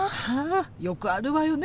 よくあるわよね